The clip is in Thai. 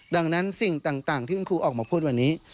ดังนั้นสิ่งต่างที่คุณครูออกมาพูดวันนี้